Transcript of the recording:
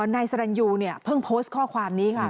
ในสรรยูเพิ่งโพสต์ข้อความนี้ค่ะ